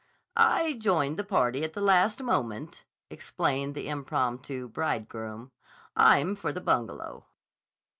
"I joined the party at the last moment," explained the impromptu bridegroom. "I'm for the Bungalow."